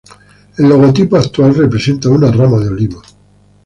El logotipo actual representa una rama de olivo.